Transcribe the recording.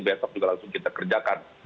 besok juga langsung kita kerjakan